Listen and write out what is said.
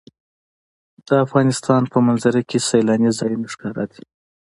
د افغانستان په منظره کې سیلاني ځایونه ښکاره دي.